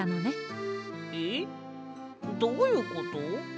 えっどういうこと？